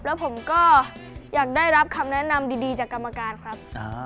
แล้วผมก็อยากได้รับคำแนะนำดีจากกรรมการครับ